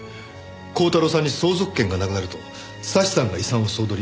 鋼太郎さんに相続権がなくなると祥さんが遺産を総取り。